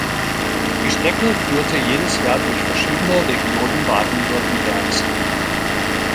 Die Strecke führte jedes Jahr durch verschiedene Regionen Baden-Württembergs.